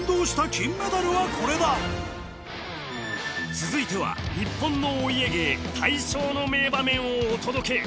続いては日本のお家芸体操の名場面をお届け！